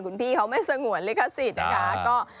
คุณพี่เขาไม่สงวนลิขสิทธิ์นะคะ